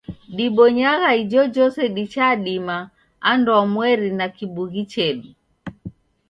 Dibonyagha ijojose dichadima anduamweri na kibughi chedu.